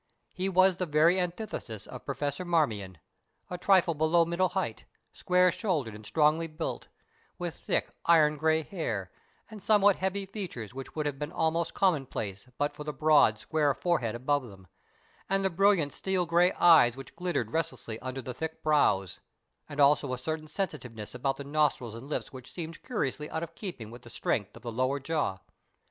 He was the very antithesis of Professor Marmion; a trifle below middle height, square shouldered and strongly built, with thick, iron grey hair, and somewhat heavy features which would have been almost commonplace but for the broad, square forehead above them, and the brilliant steel grey eyes which glittered restlessly under the thick brows, and also a certain sensitiveness about the nostrils and lips which seemed curiously out of keeping with the strength of the lower jaw.